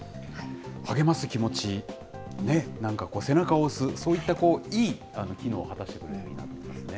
励ます気持ち、ね、なんか背中を押す、そういったいい機能をはたしてしてくれるようになるといいですね。